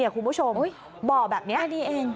คุณผู้ชมเบาะแบบนี้